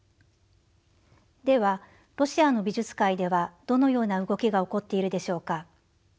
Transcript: ではロシアの美術界ではどのような動きが起こっているでしょうか。